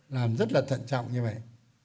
làm rất là thận trọng như vậy